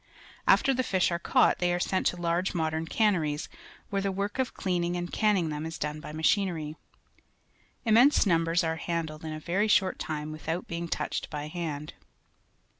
After the fish are caught, they are sent to large modern canneries, where the work of cleaning and canning them is done by machinery. Immense nmnbers are handled in a ver}" short time without being touched by hand.